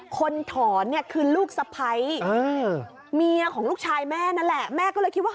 คนถอนเนี่ยคือลูกสะพ้ายเมียของลูกชายแม่นั่นแหละแม่ก็เลยคิดว่า